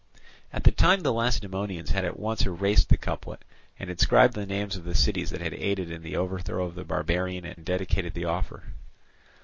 At the time the Lacedaemonians had at once erased the couplet, and inscribed the names of the cities that had aided in the overthrow of the barbarian and dedicated the offering.